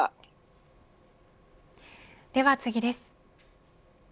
では次です。